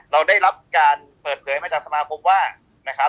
เราได้รับการเปิดเผยมาจากสมาคมว่านะครับ